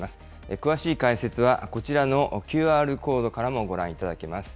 詳しい解説は、こちらのＱＲコードからもご覧いただけます。